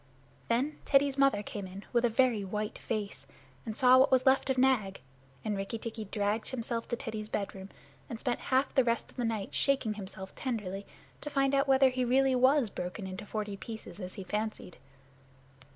Then Teddy's mother came in with a very white face, and saw what was left of Nag, and Rikki tikki dragged himself to Teddy's bedroom and spent half the rest of the night shaking himself tenderly to find out whether he really was broken into forty pieces, as he fancied.